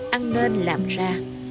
ăn nên làm ra